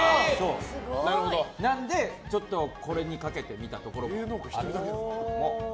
なので、これにかけてみたところがあります。